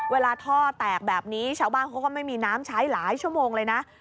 เวลาท่อแตกแบบนี้ชาวบ้านเขาก็ไม่มีน้ำใช้หลายชั่วโมงเลยนะ